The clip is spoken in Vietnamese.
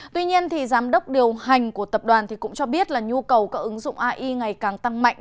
tuy nhiên giám đốc điều hành của tập đoàn cũng cho biết là nhu cầu các ứng dụng ai ngày càng tăng mạnh